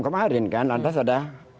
kemarin kan lantas ada